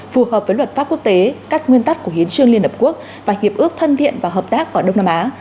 phù hợp với luật pháp quốc tế các nguyên tắc của hiến trương liên hợp quốc và hiệp ước thân thiện và hợp tác ở đông nam á